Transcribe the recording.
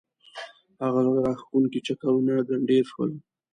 هغه زړه راکښونکي چکرونه ګنډېر شول.